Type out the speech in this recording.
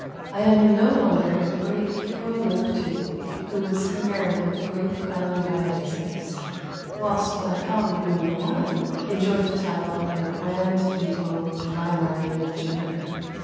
I am no longer the great hero No. 2, who was compared with the grape crowned Dionysius, whilst my colleague No. 1 enjoyed the title of a Grand Ducal Wlimarian Jupiter.